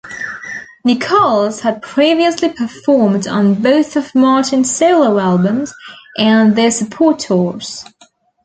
Nicholls had previously performed on both of Martin's solo albums and their support tours.